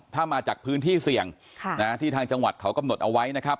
ถ้ามาจากพื้นที่เสี่ยงที่ทางจังหวัดเขากำหนดเอาไว้นะครับ